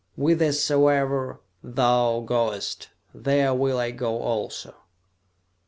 "Whithersoever thou goest, there will I go also!"